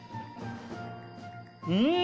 うん。